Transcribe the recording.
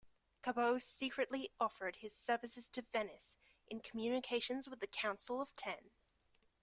Cabot secretly offered his services to Venice in communications with the Council of Ten.